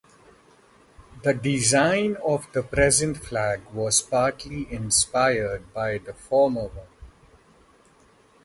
The design of the present flag was partly inspired by the former one.